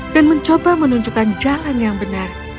dan mencoba menunjukkan jalan yang benar